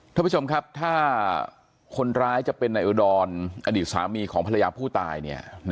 ท่านผู้ชมครับถ้าคนร้ายจะเป็นนายอุดรอดีตสามีของภรรยาผู้ตาย